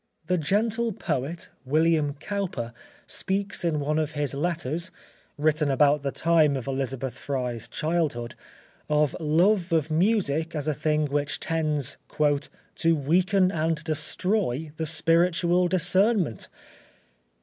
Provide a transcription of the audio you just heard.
The gentle poet, William Cowper, speaks in one of his letters, written about the time of Elizabeth Fry's childhood, of love of music as a thing which tends "to weaken and destroy the spiritual discernment."